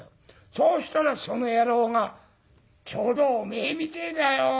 そうしたらその野郎がちょうどおめえみてえだよ。